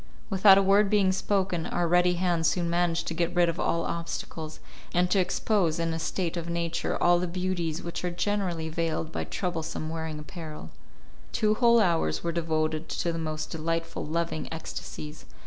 Without a word being spoken, our ready hands soon managed to get rid of all obstacles, and to expose in a state of nature all the beauties which are generally veiled by troublesome wearing apparel. Two whole hours were devoted to the most delightful, loving ecstasies.